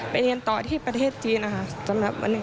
ไปเรียนต่อที่ประเทศจีนค่ะ